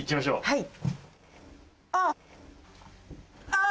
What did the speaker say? はい。